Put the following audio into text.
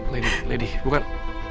lady lady bukan